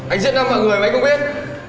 anh giết năm người mà anh không biết